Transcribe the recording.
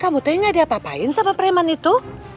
kamu teh gak diapa apain sama preman itu